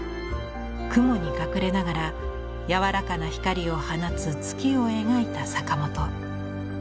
雲に隠れながら柔らかな光を放つ月を描いた坂本。